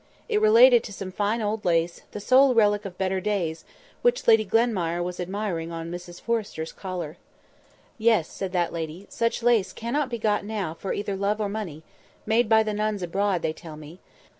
It related to some fine old lace, the sole relic of better days, which Lady Glenmire was admiring on Mrs Forrester's collar. "Yes," said that lady, "such lace cannot be got now for either love or money; made by the nuns abroad, they tell me.